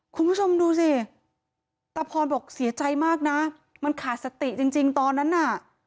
คุณผู้ชมดูสิตาพรบอกเสียใจมากนะมันขาดสติจริงตอนนั้นน่ะ